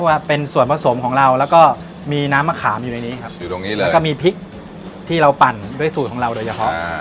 แล้วก็มีพริกที่เราปั่นด้วยสูตรของเราโดยเฉพาะ